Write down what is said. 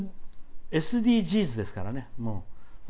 ＳＤＧｓですからね、もう。